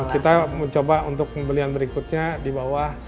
kita mencoba untuk pembelian berikutnya di bawah empat ratus